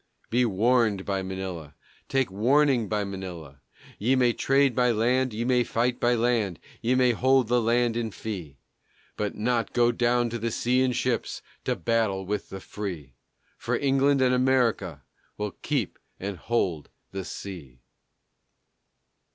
Be warned by Manila, Take warning by Manila, Ye may trade by land, ye may fight by land, Ye may hold the land in fee; But not go down to the sea in ships To battle with the free; For England and America Will keep and hold the sea!